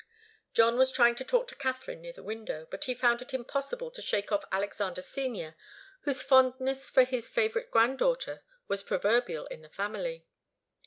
John was trying to talk to Katharine near the window, but he found it impossible to shake off Alexander Senior, whose fondness for his favourite granddaughter was proverbial in the family.